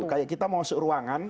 kayak kita masuk ruangan